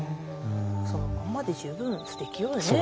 そのまんまで十分すてきよねみんな。